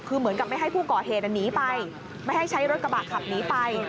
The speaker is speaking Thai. คือเหมือนกับไม่ให้ผู้ก่อเหตุหนีไปไม่ให้ใช้รถกระบะขับหนีไป